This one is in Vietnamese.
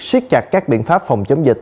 siết chặt các biện pháp phòng chống dịch